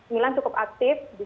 milan cukup aktif